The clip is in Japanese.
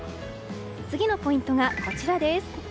次のポイントがこちらです。